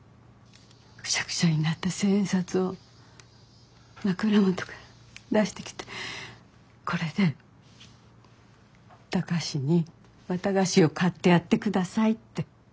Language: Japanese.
くしゃくしゃになった千円札を枕元から出してきて「これで高志に綿菓子を買ってやってください」って。